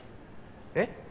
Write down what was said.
えっ？